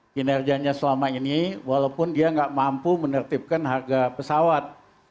kinerjanya selama ini walaupun dia nggak mampu menertibkan harga pesawat